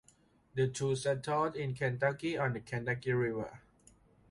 The two settled in Kentucky on the Kentucky River.